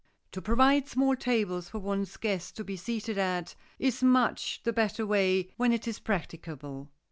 To provide small tables for one's guests to be seated at is much the better way when it is practicable.